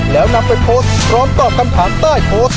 แล้วนำไปโพสต์พร้อมตอบคำถามใต้โพสต์